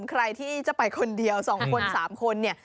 ใครที่จะไปคนเดียว๒คน๓คนเนี่ย